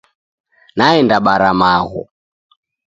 Naenda bara magho